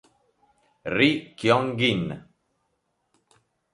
Ri Kyong-in